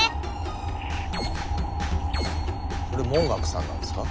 これ文覚さんなんですか？